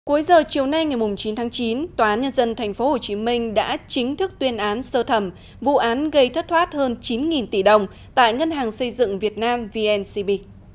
cuối giờ chiều nay ngày chín tháng chín tòa nhân dân tp hcm đã chính thức tuyên án sơ thẩm vụ án gây thất thoát hơn chín tỷ đồng tại ngân hàng xây dựng việt nam vncb